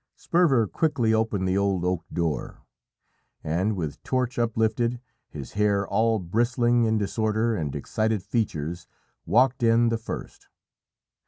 Sperver quickly opened the old oak door, and with torch uplifted, his hair all bristling in disorder, and excited features, walked in the first.